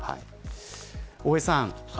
大江さん。